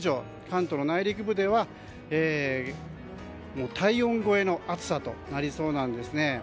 関東の内陸部では体温超えの暑さとなりそうです。